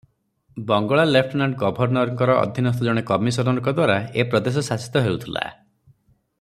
ବଙ୍ଗଳା lieutenant ଗଭର୍ନରଙ୍କର ଅଧୀନସ୍ଥ ଜଣେ କମିଶନରଙ୍କଦ୍ୱାରା ଏ ପ୍ରଦେଶ ଶାସିତ ହେଉଥିଲା ।